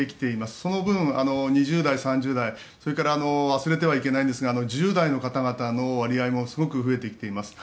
その分、２０代、３０代それから忘れてはいけないんですが１０代の方々の割合もすごく増えてきています。